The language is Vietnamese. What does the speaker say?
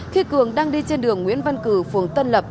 khi cường đang đi trên đường nguyễn văn cử phường tân lập